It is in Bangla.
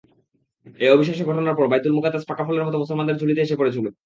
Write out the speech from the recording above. এ অবিশ্বাস্য ঘটনার পর বাইতুল মুকাদ্দাস পাকা ফলের মত মুসলমানদের ঝুলিতে এসে পড়েছিল।